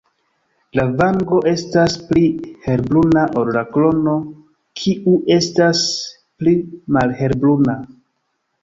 La vango estas pli helbruna ol la krono kiu estas pli malhelbruna.